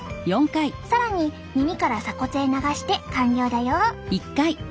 更に耳から鎖骨へ流して完了だよ。